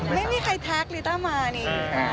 ไม่มีใครทักลิต้ามานี่